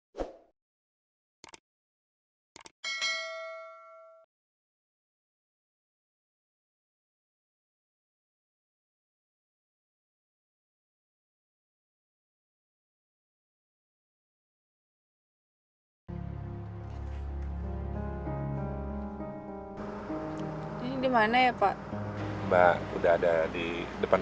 biasa ya jepang